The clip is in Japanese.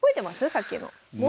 さっきの。